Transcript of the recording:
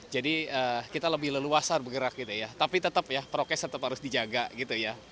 jadi kita lebih leluasa bergerak gitu ya tapi tetap ya prokes tetap harus dijaga gitu ya